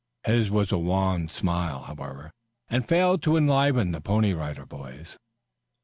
His was a wan smile, however, and failed to enliven the Pony Rider Boys.